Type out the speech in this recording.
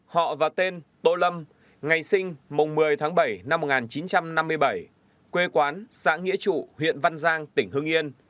họ và tên tô lâm ngày sinh mùng một mươi tháng bảy năm một nghìn chín trăm năm mươi bảy quê quán xã nghĩa trụ huyện văn giang tỉnh hưng yên